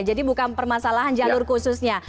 jadi bukan permasalahan jalur khususnya